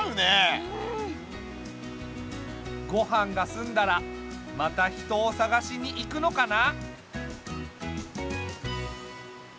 ごはんがすんだらまた人を探しに行くのかな？